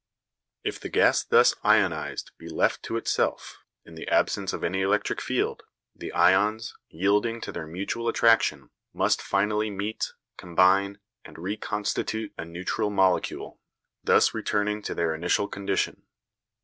If the gas thus ionised be left to itself, in the absence of any electric field, the ions, yielding to their mutual attraction, must finally meet, combine, and reconstitute a neutral molecule, thus returning to their initial condition.